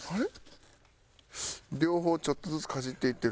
両方ちょっとずつかじっていってる。